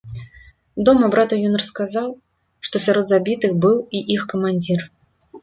Дома брату ён расказаў, што сярод забітых быў і іх камандзір.